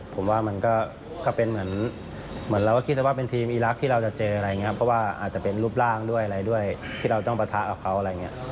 ผมว่ามันก็เป็นเหมือนเราก็คิดแล้วว่าเป็นทีมอีรักษ์ที่เราจะเจออะไรอย่างนี้ครับเพราะว่าอาจจะเป็นรูปร่างด้วยอะไรด้วยที่เราต้องประทะกับเขาอะไรอย่างนี้